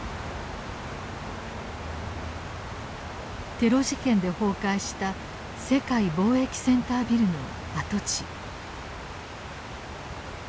テロ事件で崩壊した世界貿易センタービルの跡地。